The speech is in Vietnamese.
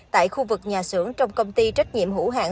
tại khu vực nhà xưởng trong công ty trách nhiệm hữu hạng